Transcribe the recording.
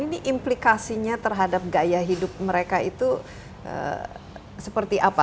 ini implikasinya terhadap gaya hidup mereka itu seperti apa